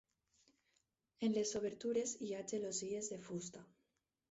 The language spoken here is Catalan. En les obertures hi ha gelosies de fusta.